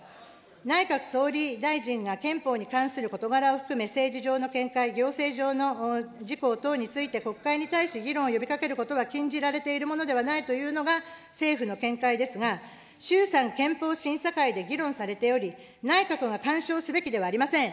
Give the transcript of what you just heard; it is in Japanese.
内閣総理大臣が憲法に関する事柄を含め、政治上の見解、行政上の事項等について国会に対し議論を呼びかけることが禁じられているものではないというのが、政府の見解ですが、衆参憲法審査会で議論されており、内閣が干渉すべきではありません。